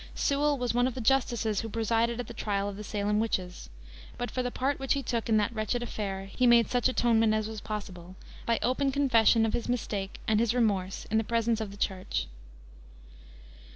Sewall was one of the justices who presided at the trial of the Salem witches; but for the part which he took in that wretched affair he made such atonement as was possible, by open confession of his mistake and his remorse in the presence of the Church.